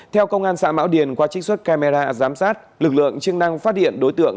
theo công an xã mão điền qua trích xuất camera giám sát lực lượng chức năng phát hiện đối tượng